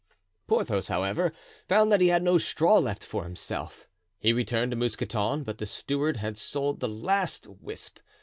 Porthos, however, found that he had no straw left for himself. He returned to Mousqueton, but the steward had sold the last wisp.